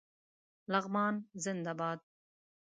لغمان زنده باد